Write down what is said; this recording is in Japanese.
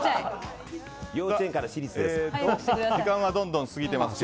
幼稚園から私立です！